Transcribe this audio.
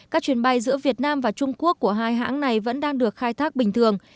các chuyến bay giữa việt nam và trung quốc của hai hãng này vẫn đang được khai thác bình thường